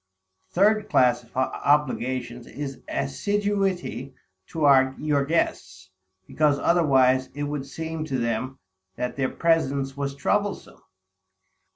The third class of obligations, is assiduity to your guests; because otherwise, it would seem to them, that their presence was troublesome.